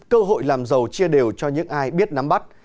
cơ hội làm giàu chia đều cho những ai biết nắm bắt